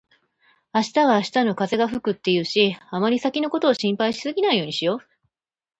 「明日は明日の風が吹く」って言うし、あまり先のことを心配しすぎないようにしよう。